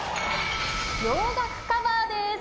「洋楽カバー」です。